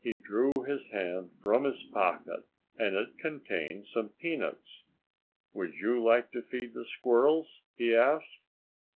He drew his hand from his pocket and it contained some peanuts. "Would you like to feed the squirrels?" he asked.